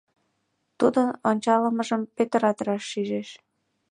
Тудын ончалмыжым Пӧтырат раш шижеш.